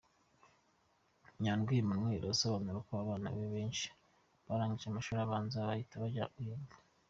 Nyandwi Emmanuel asobanura ko abana benshi barangije amashuri abanza bahita bajya guhinga.